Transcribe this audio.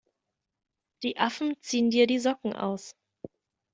Die Affen ziehen dir die Socken aus!